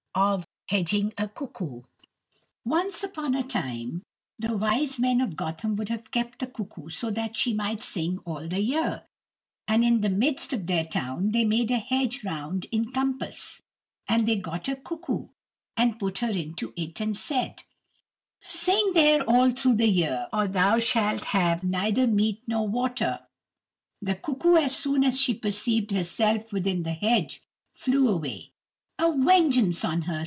Of Hedging a Cuckoo Once upon a time the men of Gotham would have kept the Cuckoo so that she might sing all the year, and in the midst of their town they made a hedge round in compass and they got a Cuckoo, and put her into it, and said, "Sing there all through the year, or thou shalt have neither meat nor water." The Cuckoo, as soon as she perceived herself within the hedge, flew away. "A vengeance on her!"